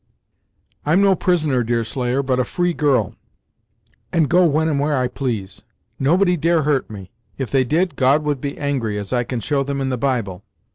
"I'm no prisoner, Deerslayer, but a free girl, and go when and where I please. Nobody dare hurt me! If they did, God would be angry, as I can show them in the Bible.